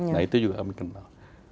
nah itu juga kami kenal